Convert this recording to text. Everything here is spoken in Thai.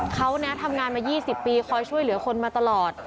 เขาทำงานมา๒๐ปีคอยช่วยเหลือคนมาตลอด